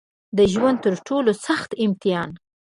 د ژوند تر ټولو سخت امتحان